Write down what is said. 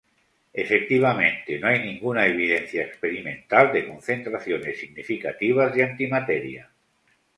Efectivamente, no hay ninguna evidencia experimental de concentraciones significativas de antimateria.